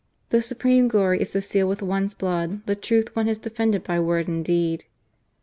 The supreme glory is to seal with one's blood the truth one has defended by word and deed.